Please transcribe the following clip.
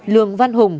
ba lường văn hùng